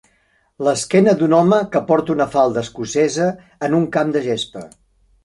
L'esquena d'un home que porta una falda escocesa en un camp de gespa.